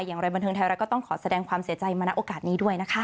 อย่างไรบันเทิงไทยรัฐก็ต้องขอแสดงความเสียใจมาณโอกาสนี้ด้วยนะคะ